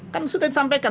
kan sudah disampaikan